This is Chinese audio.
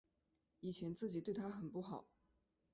以前自己对她很不好